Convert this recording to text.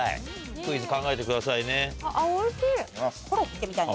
クイズ考えてくださいね。